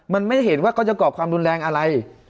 มันไม่เห็นว่าก็จะเกาะความรุนแรงอะไร